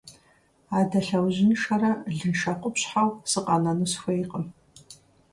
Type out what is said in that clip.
Адэ лъэужьыншэрэ лыншэ къупщхьэу сыкъэнэну сыхуейкъым.